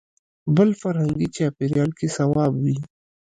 بل فرهنګي چاپېریال کې صواب وي.